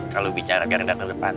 kalau bicara garda terdepan